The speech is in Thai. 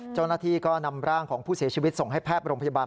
เจ้าหน้าที่ก็นำร่างของผู้เสียชีวิตส่งให้แพทย์โรงพยาบาล